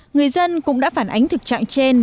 người dân cũng đã phản ánh thực trạng trên